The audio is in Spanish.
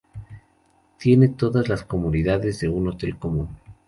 Tiene todas las comodidades de un hotel común.